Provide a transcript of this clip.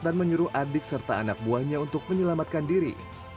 dan menyuruh adik serta anak buahnya untuk menyelamatkan diri